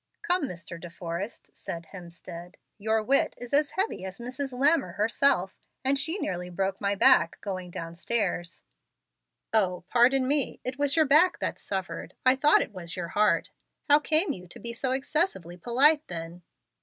"Come, Mr. De Forrest," said Hemstead, "your wit is as heavy as Mrs. Lammer herself, and she nearly broke my back going down stairs." "O, pardon me. It was your back that suffered. I thought it was your heart. How came you to be so excessively polite then?"